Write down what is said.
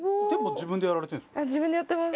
自分でやってます。